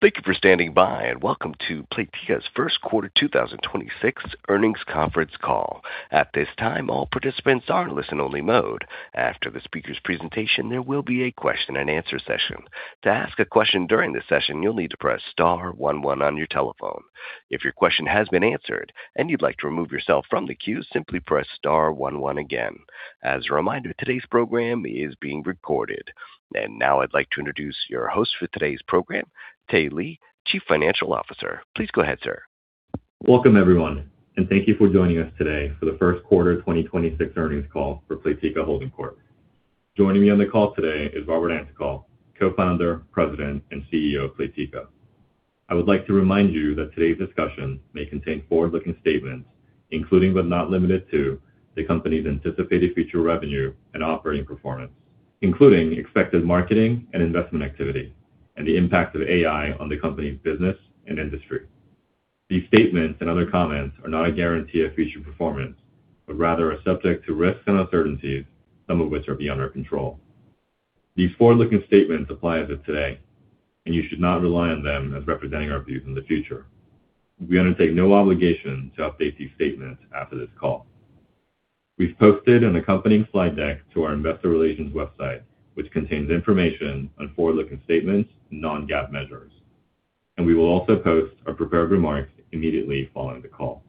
Thank you for standing by, and welcome to Playtika's First Quarter 2026 Earnings Conference Call. At this time, all participants are in listen only mode. After the speaker's presentation, there will be a question and answer session. To ask a question during the session, you'll need to press star one one on your telephone. If your question has been answered and you'd like to remove yourself from the queue, simply press star one one again. As a reminder, today's program is being recorded. Now I'd like to introduce your host for today's program, Tae Lee, Chief Financial Officer. Please go ahead, sir. Welcome, everyone, and thank you for joining us today for the first quarter 2026 earnings call for Playtika Holding Corp. Joining me on the call today is Robert Antokol, co-founder, president, and CEO of Playtika. I would like to remind you that today's discussion may contain forward-looking statements, including, but not limited to, the company's anticipated future revenue and operating performance, including expected marketing and investment activity and the impact of AI on the company's business and industry. These statements and other comments are not a guarantee of future performance, but rather are subject to risks and uncertainties, some of which are beyond our control. These forward-looking statements apply as of today, and you should not rely on them as representing our views in the future. We undertake no obligation to update these statements after this call. We've posted an accompanying slide deck to our investor relations website, which contains information on forward-looking statements and non-GAAP measures, and we will also post our prepared remarks immediately following the call.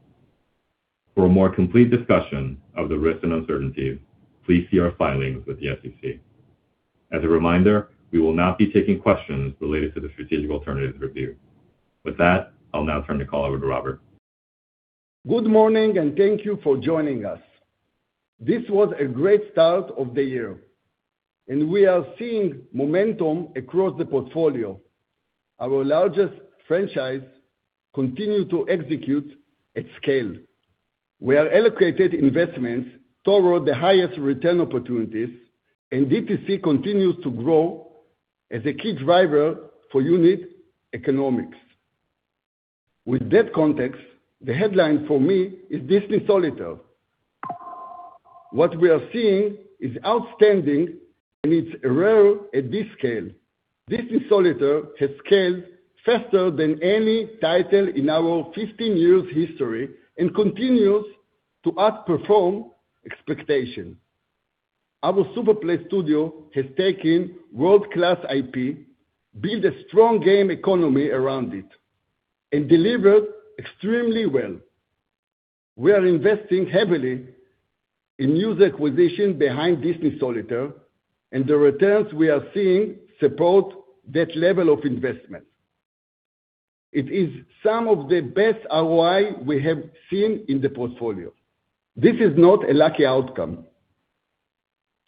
For a more complete discussion of the risks and uncertainties, please see our filings with the SEC. As a reminder, we will not be taking questions related to the strategic alternatives review. With that, I'll now turn the call over to Robert. Good morning, and thank you for joining us. This was a great start of the year, and we are seeing momentum across the portfolio. Our largest franchise continue to execute at scale. We are allocated investments toward the highest return opportunities, and DTC continues to grow as a key driver for unit economics. With that context, the headline for me is Disney Solitaire. What we are seeing is outstanding, and it's rare at this scale. Disney Solitaire has scaled faster than any title in our 15 years history and continues to outperform expectation. Our SuperPlay Studio has taken world-class IP, built a strong game economy around it, and delivered extremely well. We are investing heavily in user acquisition behind Disney Solitaire, and the returns we are seeing support that level of investment. It is some of the best ROI we have seen in the portfolio. This is not a lucky outcome.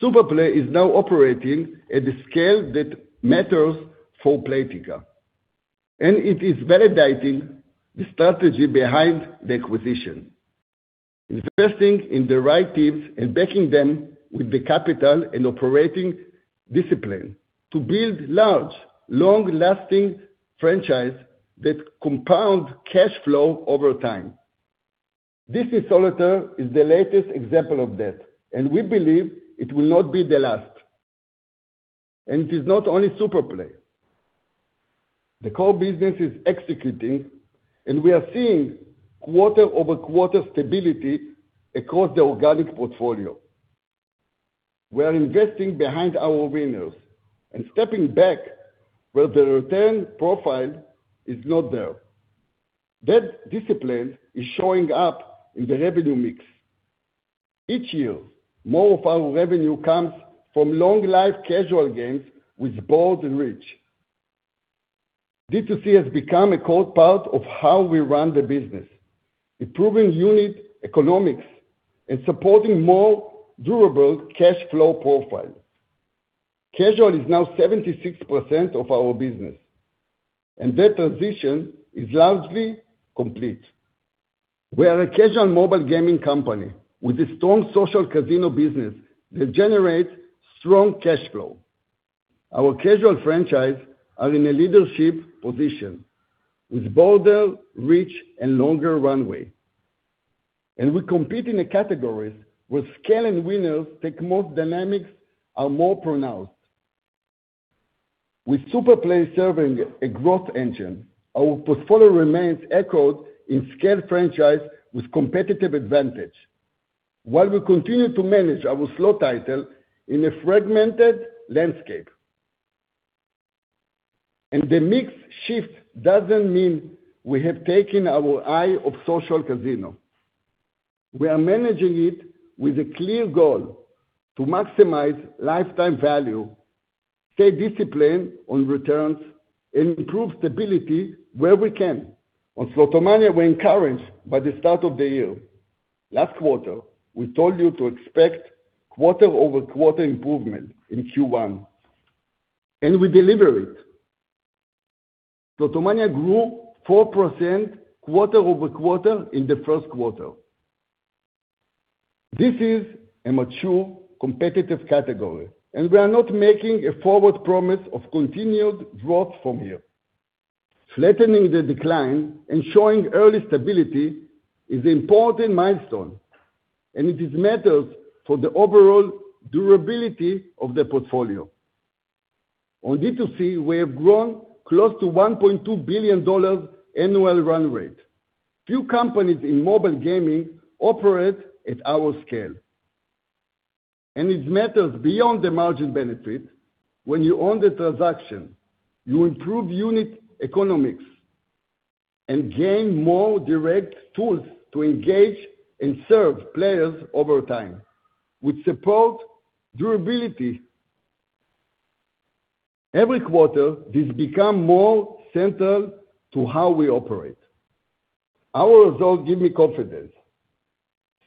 SuperPlay is now operating at a scale that matters for Playtika, and it is validating the strategy behind the acquisition. Investing in the right teams and backing them with the capital and operating discipline to build large, long-lasting franchise that compound cash flow over time. Disney Solitaire is the latest example of that, and we believe it will not be the last. It is not only SuperPlay. The core business is executing, and we are seeing quarter-over-quarter stability across the organic portfolio. We are investing behind our winners and stepping back where the return profile is not there. That discipline is showing up in the revenue mix. Each year, more of our revenue comes from long life casual games with bold reach. DTC has become a core part of how we run the business, improving unit economics and supporting more durable cash flow profile. Casual is now 76% of our business, that transition is largely complete. We are a casual mobile gaming company with a strong social casino business that generates strong cash flow. Our casual franchise are in a leadership position with broader reach and longer runway. We compete in the categories where scale and winner-takes-most dynamics are more pronounced. With SuperPlay serving a growth engine, our portfolio remains anchored in scaled franchise with competitive advantage while we continue to manage our slot title in a fragmented landscape. The mix shift doesn't mean we have taken our eye off social casino. We are managing it with a clear goal to maximize lifetime value, stay disciplined on returns, and improve stability where we can. On Slotomania, we're encouraged by the start of the year. Last quarter, we told you to expect quarter-over-quarter improvement in Q1, we deliver it. Slotomania grew 4% quarter-over-quarter in the first quarter. This is a mature, competitive category, we are not making a forward promise of continued growth from here. Flattening the decline and showing early stability is an important milestone. It matters for the overall durability of the portfolio. On D2C, we have grown close to $1.2 billion annual run rate. Few companies in mobile gaming operate at our scale. It matters beyond the margin benefit when you own the transaction, you improve unit economics and gain more direct tools to engage and serve players over time, which support durability. Every quarter, this becomes more central to how we operate. Our results give me confidence.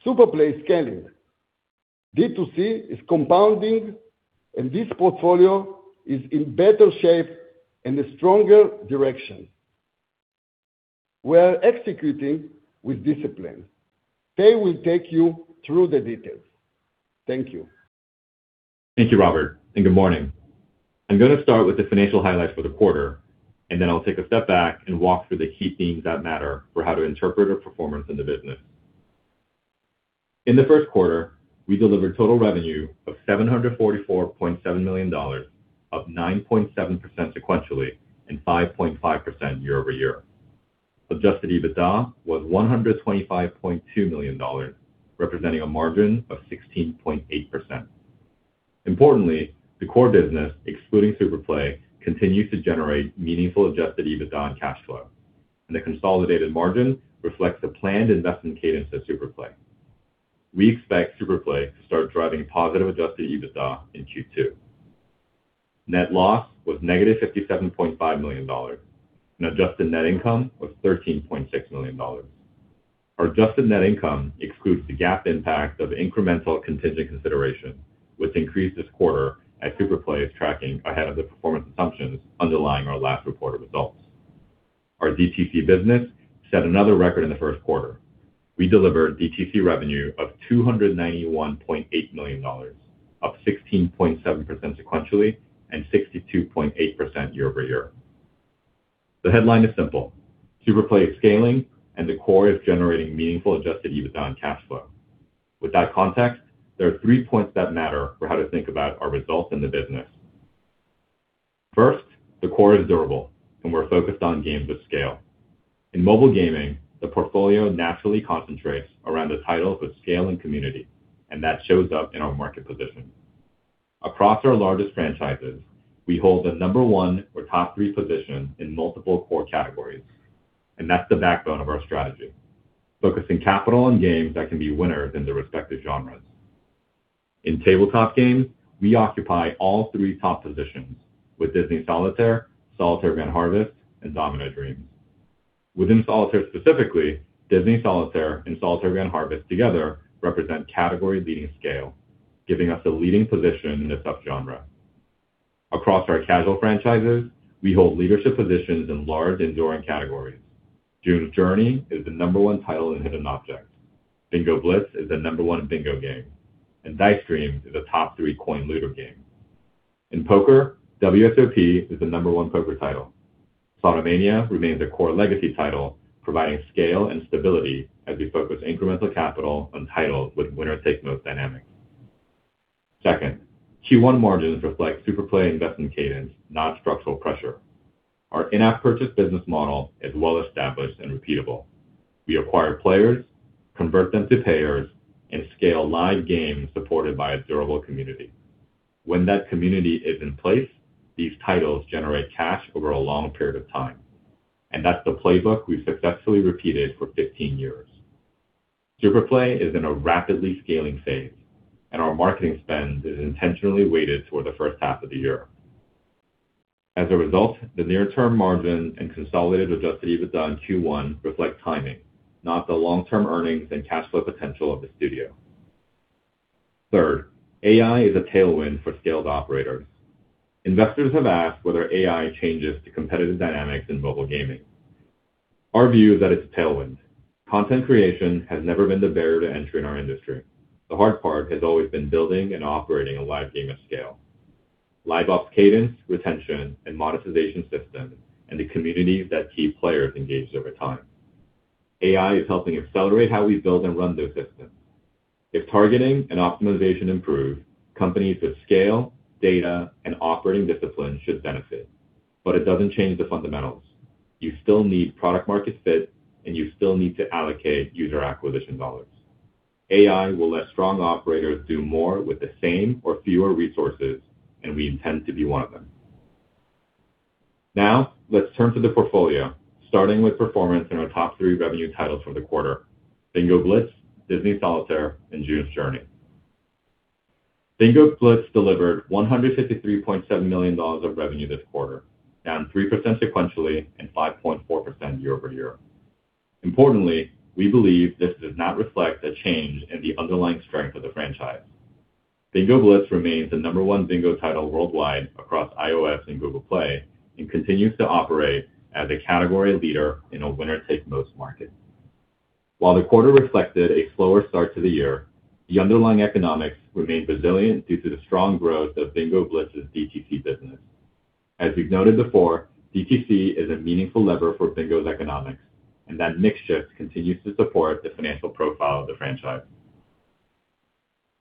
SuperPlay is scaling. D2C is compounding, and this portfolio is in better shape and a stronger direction. We are executing with discipline. Tae will take you through the details. Thank you. Thank you, Robert. Good morning. I'm gonna start with the financial highlights for the quarter. Then I'll take a step back and walk through the key themes that matter for how to interpret our performance in the business. In the first quarter, we delivered total revenue of $744.7 million, up 9.7% sequentially and 5.5% year-over-year. adjusted EBITDA was $125.2 million, representing a margin of 16.8%. Importantly, the core business, excluding SuperPlay, continues to generate meaningful adjusted EBITDA and cash flow. The consolidated margin reflects the planned investment cadence of SuperPlay. We expect SuperPlay to start driving positive adjusted EBITDA in Q2. Net loss was -$57.5 million. Adjusted net income was $13.6 million. Our adjusted net income excludes the GAAP impact of incremental contingent consideration, which increased this quarter as SuperPlay is tracking ahead of the performance assumptions underlying our last reported results. Our DTC business set another record in the first quarter. We delivered DTC revenue of $291.8 million, up 16.7% sequentially and 62.8% year-over-year. The headline is simple. SuperPlay is scaling, and the core is generating meaningful adjusted EBITDA and cash flow. With that context, there are three points that matter for how to think about our results in the business. First, the core is durable, and we're focused on games with scale. In mobile gaming, the portfolio naturally concentrates around the titles with scale and community, and that shows up in our market position. Across our largest franchises, we hold the number one or top three position in multiple core categories, and that's the backbone of our strategy. Focusing capital on games that can be winners in their respective genres. In tabletop games, we occupy all three top positions with Disney Solitaire, Solitaire Grand Harvest, and Domino Dreams. Within Solitaire specifically, Disney Solitaire and Solitaire Grand Harvest together represent category-leading scale, giving us a leading position in the sub-genre. Across our casual franchises, we hold leadership positions in large enduring categories. June's Journey is the number one title in hidden object. Bingo Blitz is the number one bingo game, and Dice Dreams is a top three coin looter game. In poker, WSOP is the number one poker title. Slotomania remains a core legacy title, providing scale and stability as we focus incremental capital on titles with winner-takes-most dynamics. Second, Q1 margins reflect SuperPlay investment cadence, not structural pressure. Our in-app purchase business model is well-established and repeatable. We acquire players, convert them to payers, and scale live games supported by a durable community. When that community is in place, these titles generate cash over a long period of time, that's the playbook we've successfully repeated for 15 years. SuperPlay is in a rapidly scaling phase, our marketing spend is intentionally weighted toward the first half of the year. The near-term margin and consolidated adjusted EBITDA in Q1 reflect timing, not the long-term earnings and cash flow potential of the studio. Third, AI is a tailwind for scaled operators. Investors have asked whether AI changes the competitive dynamics in mobile gaming. Our view is that it's a tailwind. Content creation has never been the barrier to entry in our industry. The hard part has always been building and operating a live game at scale. Live ops cadence, retention, and monetization systems, and the communities that keep players engaged over time. AI is helping accelerate how we build and run those systems. If targeting and optimization improve, companies with scale, data, and operating discipline should benefit, but it doesn't change the fundamentals. You still need product market fit, and you still need to allocate user acquisition dollars. AI will let strong operators do more with the same or fewer resources, and we intend to be one of them. Let's turn to the portfolio, starting with performance in our top three revenue titles for the quarter: Bingo Blitz, Disney Solitaire, and June's Journey. Bingo Blitz delivered $153.7 million of revenue this quarter, down 3% sequentially and 5.4% year-over-year. Importantly, we believe this does not reflect a change in the underlying strength of the franchise. Bingo Blitz remains the number one bingo title worldwide across iOS and Google Play and continues to operate as a category leader in a winner-takes-most market. While the quarter reflected a slower start to the year, the underlying economics remain resilient due to the strong growth of Bingo Blitz's DTC business. As we've noted before, DTC is a meaningful lever for Bingo's economics, and that mix shift continues to support the financial profile of the franchise.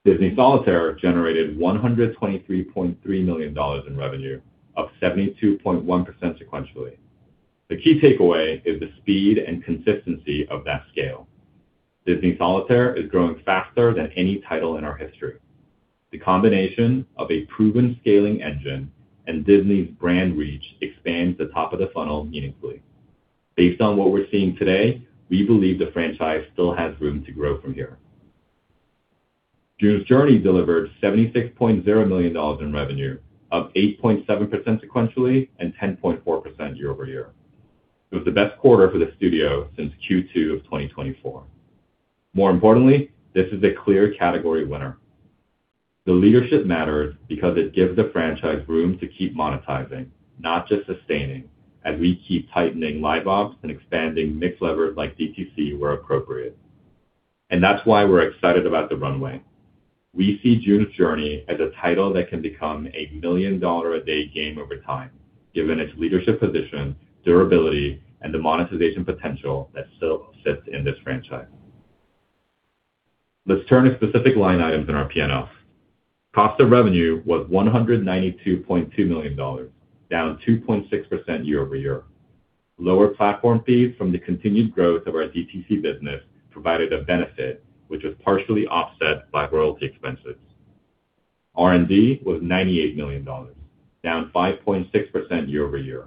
Disney Solitaire generated $123.3 million in revenue, up 72.1% sequentially. The key takeaway is the speed and consistency of that scale. Disney Solitaire is growing faster than any title in our history. The combination of a proven scaling engine and Disney's brand reach expands the top of the funnel meaningfully. Based on what we're seeing today, we believe the franchise still has room to grow from here. June's Journey delivered $76.0 million in revenue, up 8.7% sequentially and 10.4% year-over-year. It was the best quarter for the studio since Q2 of 2024. More importantly, this is a clear category winner. The leadership matters because it gives the franchise room to keep monetizing, not just sustaining, as we keep tightening live ops and expanding mix levers like DTC where appropriate. That's why we're excited about the runway. We see June's Journey as a title that can become a million-dollar a day game over time, given its leadership position, durability, and the monetization potential that still sits in this franchise. Let's turn to specific line items in our P&L. Cost of revenue was $192.2 million, down 2.6% year-over-year. Lower platform fees from the continued growth of our DTC business provided a benefit, which was partially offset by royalty expenses. R&D was $98 million, down 5.6% year-over-year,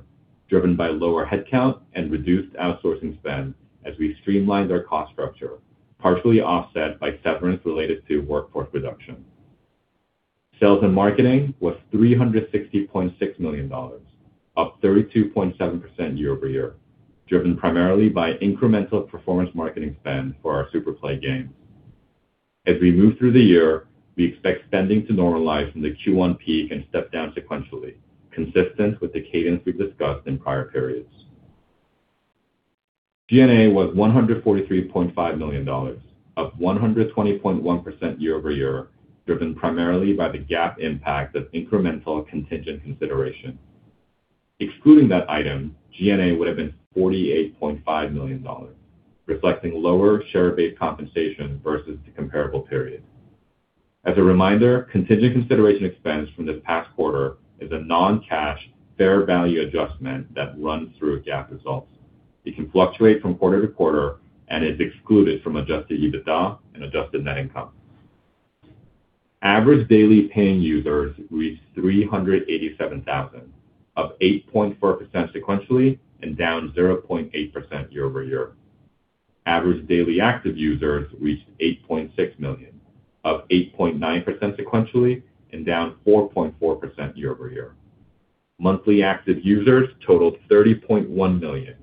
driven by lower headcount and reduced outsourcing spend as we streamlined our cost structure, partially offset by severance related to workforce reduction. Sales and marketing was $360.6 million, up 32.7% year-over-year, driven primarily by incremental performance marketing spend for our SuperPlay games. As we move through the year, we expect spending to normalize from the Q1 peak and step down sequentially, consistent with the cadence we've discussed in prior periods. G&A was $143.5 million, up 120.1% year-over-year, driven primarily by the GAAP impact of incremental contingent consideration. Excluding that item, G&A would have been $48.5 million, reflecting lower share-based compensation versus the comparable period. As a reminder, contingent consideration expense from this past quarter is a non-cash fair value adjustment that runs through GAAP results. It can fluctuate from quarter-to-quarter and is excluded from adjusted EBITDA and adjusted net income. Average daily paying users reached 387,000, up 8.4% sequentially and down 0.8% year-over-year. Average daily active users reached 8.6 million, up 8.9% sequentially and down 4.4% year-over-year. Monthly active users totaled 30.1 million,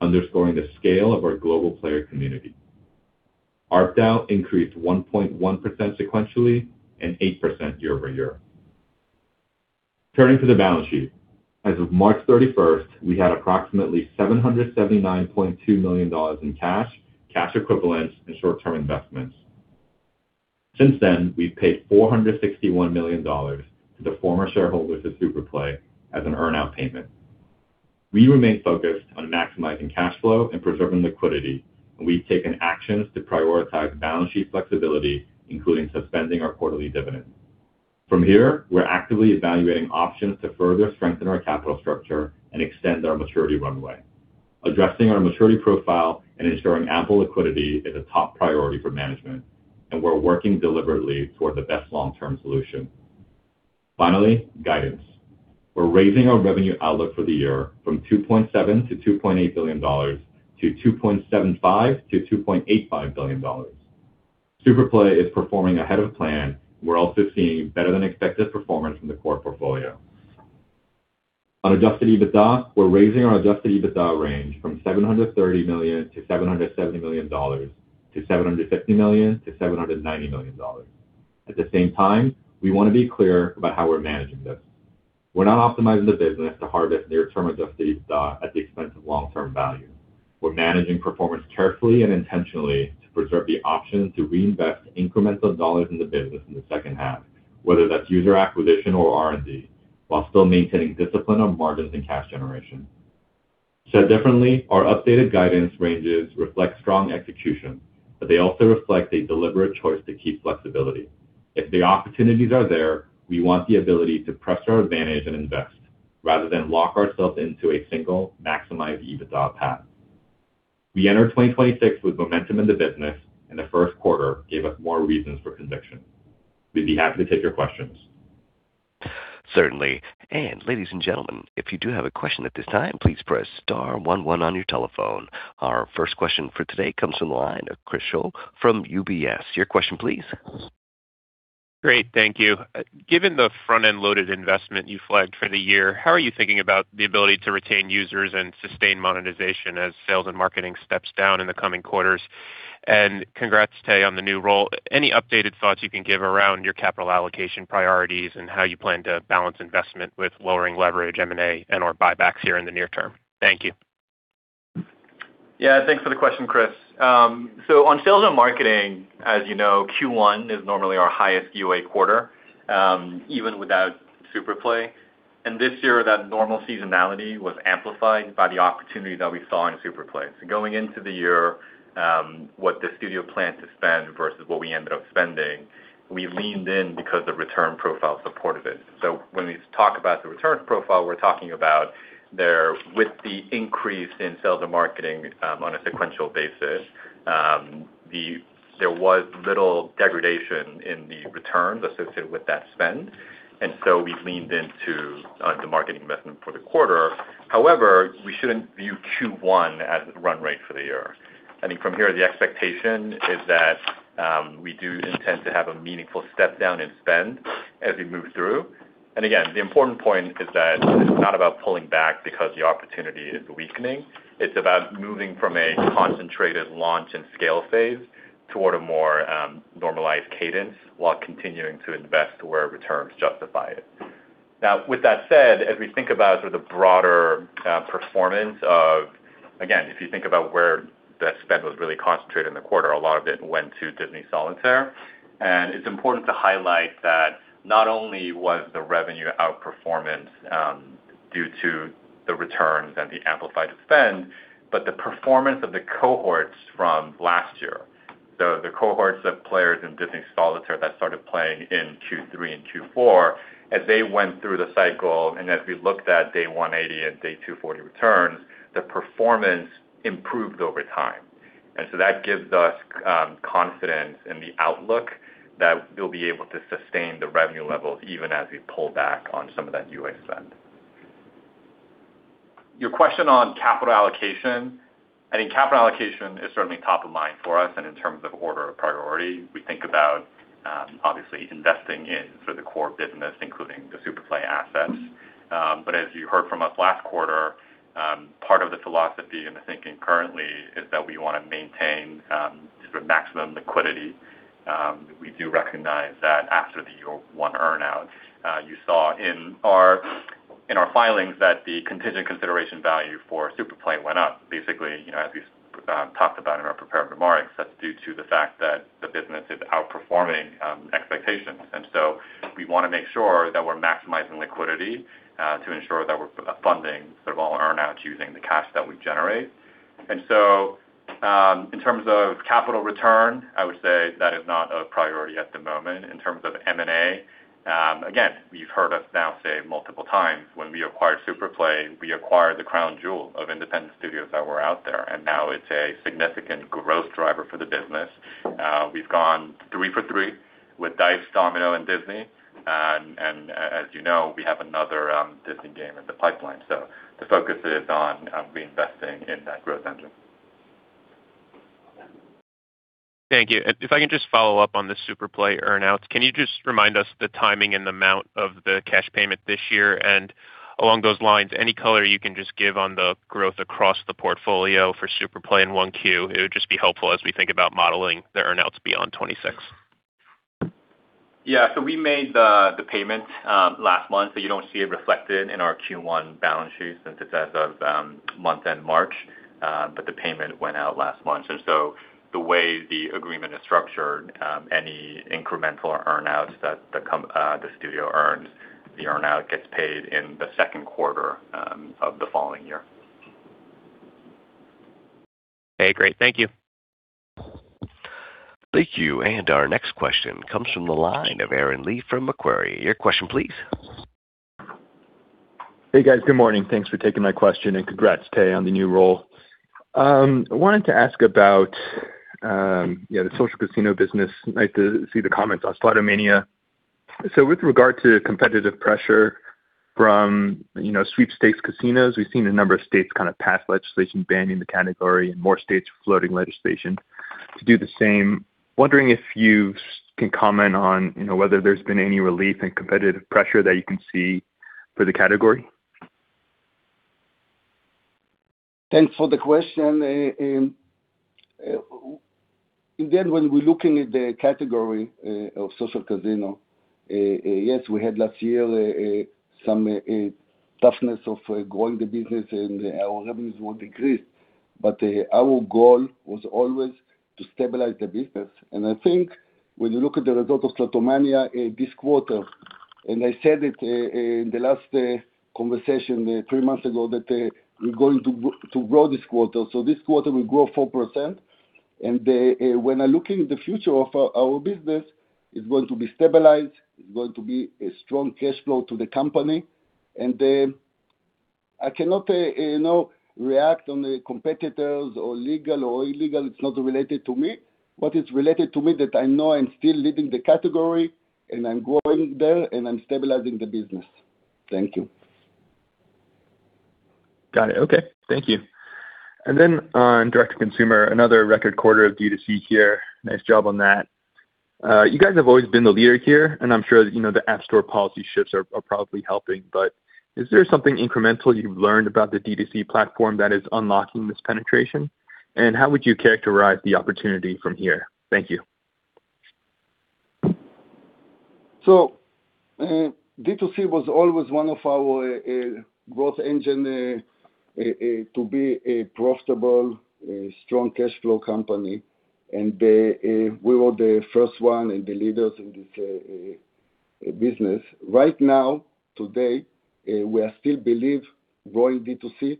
underscoring the scale of our global player community. ARPDAU increased 1.1% sequentially and 8% year-over-year. Turning to the balance sheet. As of March 31st, we had approximately $779.2 million in cash, cash equivalents and short-term investments. Since then, we've paid $461 million to the former shareholders of SuperPlay as an earnout payment. We remain focused on maximizing cash flow and preserving liquidity, and we've taken actions to prioritize balance sheet flexibility, including suspending our quarterly dividend. From here, we're actively evaluating options to further strengthen our capital structure and extend our maturity runway. Addressing our maturity profile and ensuring ample liquidity is a top priority for management, and we're working deliberately toward the best long-term solution. Finally, guidance. We're raising our revenue outlook for the year from $2.7 billion-$2.8 billion to $2.75 billion-$2.85 billion. SuperPlay is performing ahead of plan. We're also seeing better than expected performance from the core portfolio. On adjusted EBITDA, we're raising our adjusted EBITDA range from $730 million-$770 million to $750 million-$790 million. At the same time, we want to be clear about how we're managing this. We're not optimizing the business to harvest near-term adjusted EBITDA at the expense of long-term value. We're managing performance carefully and intentionally to preserve the option to reinvest incremental dollars in the business in the second half, whether that's user acquisition or R&D, while still maintaining discipline on margins and cash generation. Said differently, our updated guidance ranges reflect strong execution, but they also reflect a deliberate choice to keep flexibility. If the opportunities are there, we want the ability to press our advantage and invest rather than lock ourselves into a single maximize EBITDA path. We enter 2026 with momentum in the business and the first quarter gave us more reasons for conviction. We'd be happy to take your questions. Certainly. Ladies and gentlemen, if you do have a question at this time, please press star one one on your telephone. Our first question for today comes from the line of Chris Schoell from UBS. Your question please. Great. Thank you. Given the front-end loaded investment you flagged for the year, how are you thinking about the ability to retain users and sustain monetization as sales and marketing steps down in the coming quarters? Congrats, Tae, on the new role. Any updated thoughts you can give around your capital allocation priorities and how you plan to balance investment with lowering leverage M&A and/or buybacks here in the near term? Thank you. Yeah, thanks for the question, Chris. On sales and marketing, as you know, Q1 is normally our highest UA quarter, even without SuperPlay. This year, that normal seasonality was amplified by the opportunity that we saw in SuperPlay. Going into the year, what the studio planned to spend versus what we ended up spending, we leaned in because the return profile supported it. When we talk about the return profile, we're talking about with the increase in sales and marketing, on a sequential basis, there was little degradation in the returns associated with that spend. We leaned into the marketing investment for the quarter. However, we shouldn't view Q1 as run rate for the year. I think from here, the expectation is that we do intend to have a meaningful step down in spend as we move through. Again, the important point is that it's not about pulling back because the opportunity is weakening. It's about moving from a concentrated launch and scale phase toward a more normalized cadence while continuing to invest where returns justify it. With that said, as we think about sort of broader performance. If you think about where the spend was really concentrated in the quarter, a lot of it went to Disney Solitaire. It's important to highlight that not only was the revenue outperformance due to the returns and the amplified spend, but the performance of the cohorts from last year. The cohorts of players in Disney Solitaire that started playing in Q3 and Q4, as they went through the cycle and as we looked at day 180 and day 240 returns, the performance improved over time. That gives us confidence in the outlook that we'll be able to sustain the revenue levels even as we pull back on some of that UA spend. Your question on capital allocation. I think capital allocation is certainly top of mind for us. In terms of order of priority, we think about obviously investing in sort of the core business, including the SuperPlay assets. As you heard from us last quarter, part of the philosophy and the thinking currently is that we wanna maintain sort of maximum liquidity. We do recognize that after the year one earnout, you saw in our, in our filings that the contingent consideration value for SuperPlay went up. Basically, you know, as we talked about in our prepared remarks, that's due to the fact that the business is outperforming expectations. We wanna make sure that we're maximizing liquidity to ensure that we're funding sort of all earnouts using the cash that we generate. In terms of capital return, I would say that is not a priority at the moment. In terms of M&A, again, you've heard us now say multiple times, when we acquired SuperPlay, we acquired the crown jewel of independent studios that were out there, and now it's a significant growth driver for the business. We've gone three for three with Dice, Domino, and Disney. As you know, we have another Disney game in the pipeline. The focus is on reinvesting in that growth engine. Thank you. If I can just follow up on the SuperPlay earnouts. Can you just remind us the timing and amount of the cash payment this year? Along those lines, any color you can just give on the growth across the portfolio for SuperPlay in 1Q? It would just be helpful as we think about modeling the earnouts beyond 2026. Yeah. We made the payment, last month, so you don't see it reflected in our Q1 balance sheet since it's as of month end March. The payment went out last month. The way the agreement is structured, any incremental earnouts that the studio earns, the earnout gets paid in the second quarter of the following year. Okay, great. Thank you. Thank you. Our next question comes from the line of Aaron Lee from Macquarie. Your question please. Hey, guys. Good morning. Thanks for taking my question, and congrats, Tae, on the new role. I wanted to ask about the social casino business. I'd like to see the comments on Slotomania. With regard to competitive pressure from, you know, sweepstakes casinos, we've seen a number of states kind of pass legislation banning the category and more states floating legislation to do the same. Wondering if you can comment on, you know, whether there's been any relief in competitive pressure that you can see for the category. Thanks for the question. again, when we're looking at the category of social casino, yes, we had last year some toughness of growing the business and our revenues were decreased, but our goal was always to stabilize the business. I think when you look at the result of Slotomania this quarter, and I said it in the last conversation three months ago, that we're going to grow this quarter. This quarter will grow 4%. When I look in the future of our business, it's going to be stabilized. It's going to be a strong cash flow to the company. I cannot, you know, react on the competitors or legal or illegal. It's not related to me. What is related to me that I know I'm still leading the category, and I'm growing there, and I'm stabilizing the business. Thank you. Got it. Okay. Thank you. Then on direct-to-consumer, another record quarter of D2C here. Nice job on that. You guys have always been the leader here, and I'm sure that, you know, the App Store policy shifts are probably helping. Is there something incremental you've learned about the D2C platform that is unlocking this penetration? How would you characterize the opportunity from here? Thank you. D2C was always one of our growth engine to be a profitable, strong cash flow company. We were the first one and the leaders in this business. Right now, today, we are still believe growing D2C.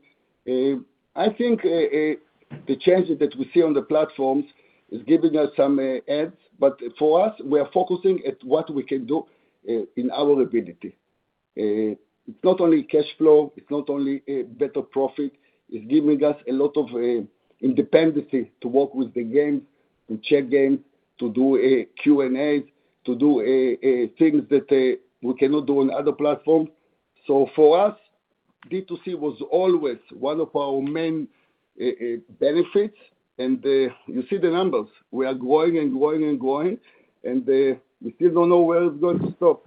I think the changes that we see on the platforms is giving us some edge. For us, we are focusing at what we can do in our ability. It's not only cash flow, it's not only a better profit, it's giving us a lot of independency to work with the games, to check games, to do a Q&A, to do things that we cannot do on other platforms. For us, D2C was always one of our main benefits. You see the numbers. We are growing and growing and growing, and, we still don't know where it's going to stop.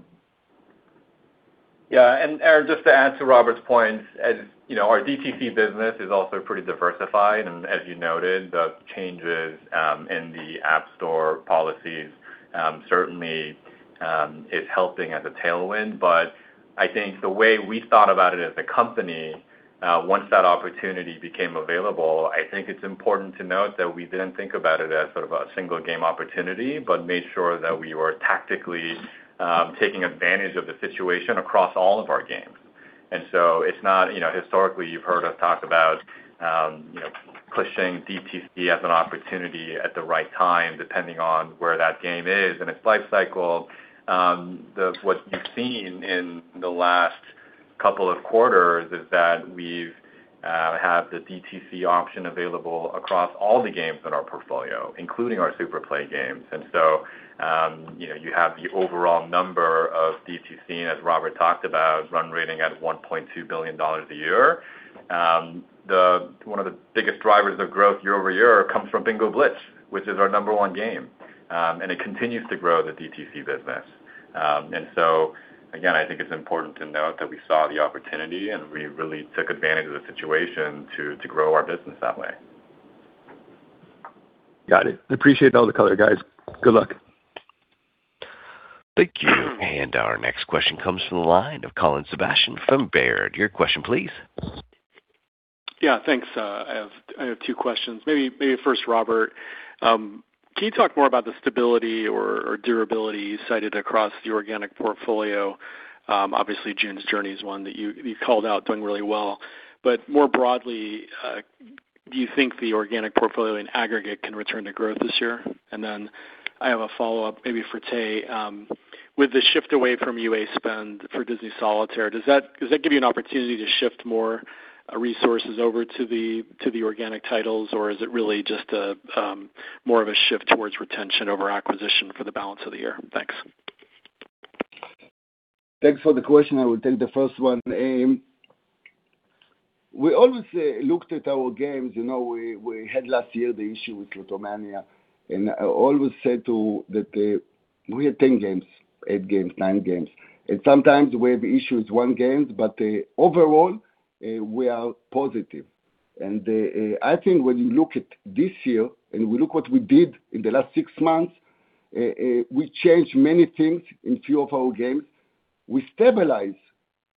Yeah. Just to add to Robert's point, as you know, our DTC business is also pretty diversified. As you noted, the changes in the App Store policies certainly is helping as a tailwind. I think the way we thought about it as a company, once that opportunity became available, I think it's important to note that we didn't think about it as sort of a single game opportunity, but made sure that we were tactically taking advantage of the situation across all of our games. It's not, you know, historically, you've heard us talk about, you know, pushing DTC as an opportunity at the right time, depending on where that game is in its life cycle. What you've seen in the last couple of quarters is that we've have the DTC option available across all the games in our portfolio, including our SuperPlay games. You know, you have the overall number of DTC, and as Robert talked about, run rating at $1.2 billion a year. One of the biggest drivers of growth year-over-year comes from Bingo Blitz, which is our number one game, and it continues to grow the DTC business. Again, I think it's important to note that we saw the opportunity and we really took advantage of the situation to grow our business that way. Got it. I appreciate all the color, guys. Good luck. Thank you. Our next question comes from the line of Colin Sebastian from Baird. Your question, please. Yeah, thanks. I have two questions. Maybe first, Robert, can you talk more about the stability or durability you cited across the organic portfolio? Obviously, June's Journey is one that you called out doing really well. More broadly, do you think the organic portfolio in aggregate can return to growth this year? I have a follow-up maybe for Tae. With the shift away from UA spend for Disney Solitaire, does that give you an opportunity to shift more resources over to the organic titles, or is it really just a more of a shift towards retention over acquisition for the balance of the year? Thanks. Thanks for the question. I will take the first one. We always looked at our games. You know, we had last year the issue with Slotomania. I always said that we had 10 games, eight games, nine games, and sometimes we have issues one game, but overall, we are positive. I think when you look at this year and we look what we did in the last six months, we changed many things in few of our games. We stabilize.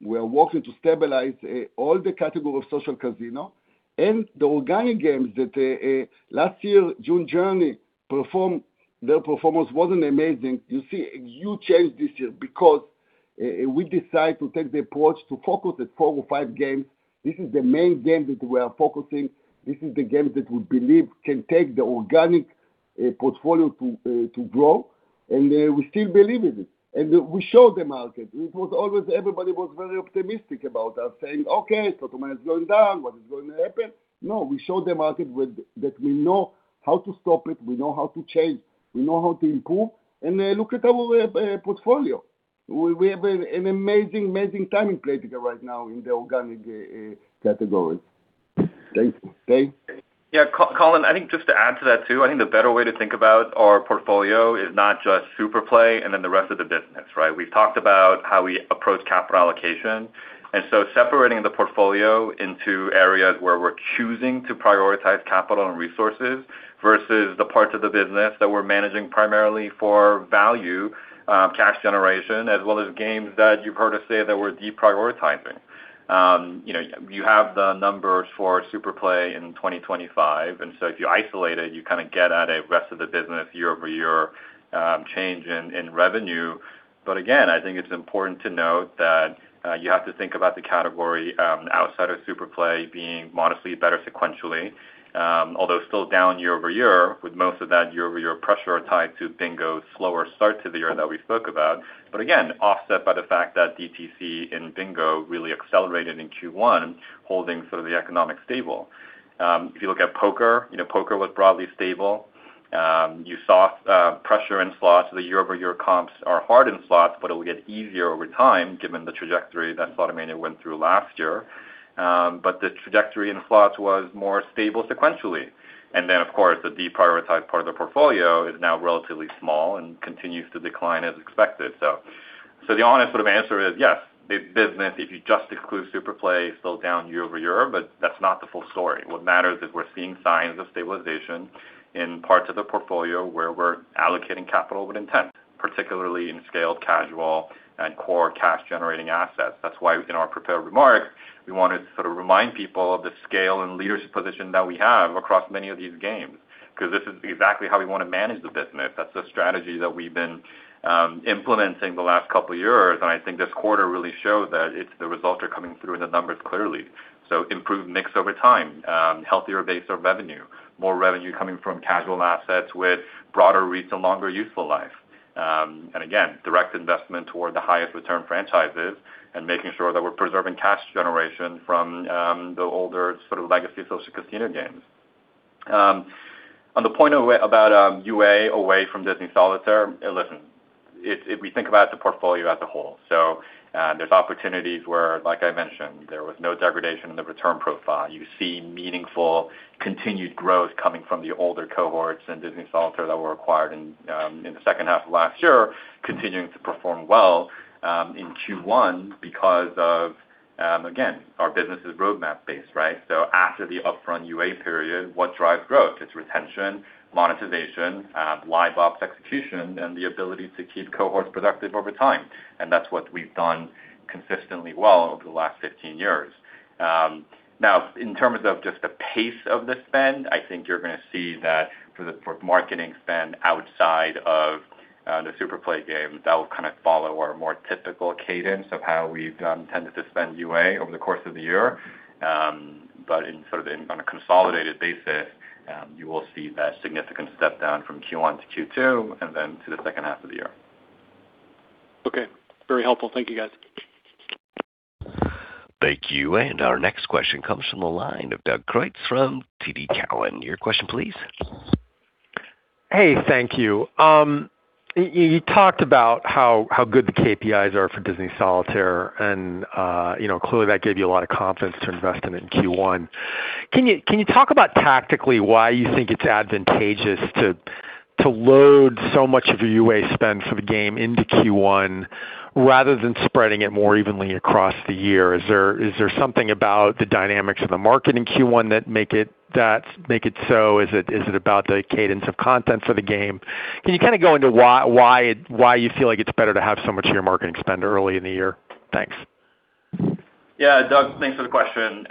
We are working to stabilize all the category of social casino and the organic games that last year, their performance wasn't amazing. You see a huge change this year because we decide to take the approach to focus at four or five games. This is the main game that we are focusing. This is the games that we believe can take the organic portfolio to grow. We still believe in it. We show the market. It was always everybody was very optimistic about us saying, "Okay, Slotomania is going down. What is going to happen?" No, we show the market that we know how to stop it. We know how to change. We know how to improve. Look at our portfolio. We have an amazing time in Playtika right now in the organic categories. Thanks. Tae? Yeah, Colin, I think just to add to that too, I think the better way to think about our portfolio is not just SuperPlay and then the rest of the business, right? We've talked about how we approach capital allocation, and so separating the portfolio into areas where we're choosing to prioritize capital and resources versus the parts of the business that we're managing primarily for value, cash generation, as well as games that you've heard us say that we're deprioritizing. You know, you have the numbers for SuperPlay in 2025, and so if you isolate it, you kinda get at a rest of the business year-over-year change in revenue. Again, I think it's important to note that you have to think about the category, outside of SuperPlay being modestly better sequentially, although still down year-over-year, with most of that year-over-year pressure tied to Bingo's slower start to the year that we spoke about. Again, offset by the fact that DTC in Bingo really accelerated in Q1, holding sort of the economic stable. If you look at Poker, you know, Poker was broadly stable. You saw pressure in slots. The year-over-year comps are hard in slots, but it will get easier over time given the trajectory that Slotomania went through last year. The trajectory in slots was more stable sequentially. Then, of course, the deprioritized part of the portfolio is now relatively small and continues to decline as expected. So the honest sort of answer is yes, the business, if you just exclude SuperPlay, is still down year-over-year, but that's not the full story. What matters is we're seeing signs of stabilization in parts of the portfolio where we're allocating capital with intent, particularly in scaled casual and core cash-generating assets. That's why in our prepared remarks, we wanted to sort of remind people of the scale and leadership position that we have across many of these games, because this is exactly how we want to manage the business. That's the strategy that we've been implementing the last couple years. I think this quarter really showed that the results are coming through in the numbers clearly. Improved mix over time, healthier base of revenue, more revenue coming from casual assets with broader reach and longer useful life. Again, direct investment toward the highest return franchises and making sure that we're preserving cash generation from the older sort of legacy social casino games. On the point about UA away from Disney Solitaire, listen, if we think about the portfolio as a whole, there's opportunities where, like I mentioned, there was no degradation in the return profile. You see meaningful continued growth coming from the older cohorts in Disney Solitaire that were acquired in the second half of last year, continuing to perform well in Q1 because of, again, our business is roadmap-based, right? After the upfront UA period, what drives growth? It's retention, monetization, live ops execution, and the ability to keep cohorts productive over time. That's what we've done consistently well over the last 15 years. Now, in terms of just the pace of the spend, I think you're gonna see that for marketing spend outside of the SuperPlay game, that will kind of follow our more typical cadence of how we've tended to spend UA over the course of the year. In sort of on a consolidated basis, you will see that significant step down from Q1 to Q2 and then to the second half of the year. Okay. Very helpful. Thank you, guys. Thank you. Our next question comes from the line of Doug Creutz from TD Cowen. Your question, please. Thank you. You talked about how good the KPIs are for Disney Solitaire. Clearly that gave you a lot of confidence to invest in it in Q1. Can you talk about tactically why you think it's advantageous to load so much of your UA spend for the game into Q1 rather than spreading it more evenly across the year? Is there something about the dynamics of the market in Q1 that make it so? Is it about the cadence of content for the game? Can you kind of go into why you feel like it's better to have so much of your marketing spend early in the year? Thanks. Doug, thanks for the question.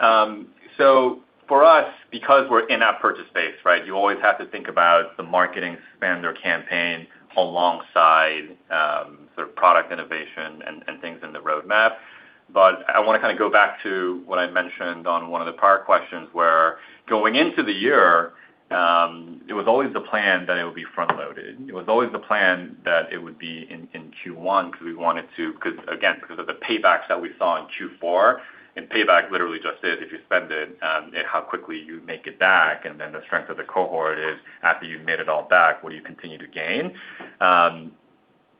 For us, because we're in that purchase space, right, you always have to think about the marketing spend or campaign alongside, sort of product innovation and things in the roadmap. I want to kind of go back to what I mentioned on one of the prior questions, where going into the year, it was always the plan that it would be front-loaded. It was always the plan that it would be in Q1 because again, because of the paybacks that we saw in Q4, and payback literally just is if you spend it, and how quickly you make it back, and then the strength of the cohort is after you've made it all back, what do you continue to gain?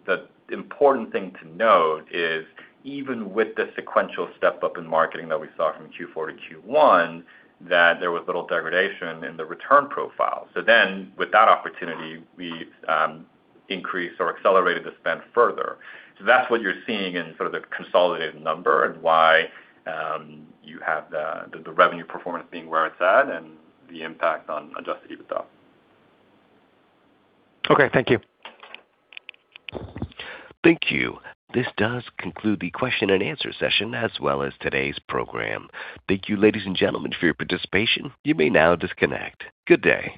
The important thing to note is even with the sequential step-up in marketing that we saw from Q4 to Q1, that there was little degradation in the return profile. With that opportunity, we increased or accelerated the spend further. That's what you're seeing in sort of the consolidated number and why you have the revenue performance being where it's at and the impact on adjusted EBITDA. Okay. Thank you. Thank you. This does conclude the question and answer session, as well as today's program. Thank you, ladies and gentlemen, for your participation. You may now disconnect. Good day.